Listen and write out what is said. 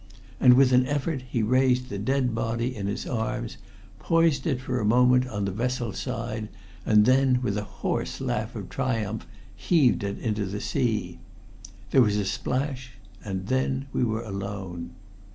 And with an effort he raised the dead body in his arms, poised it for a moment on the vessel's side, and then, with a hoarse laugh of triumph, heaved it into the sea. There was a splash, and then we were alone.